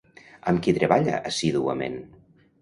Amb qui treballa assíduament?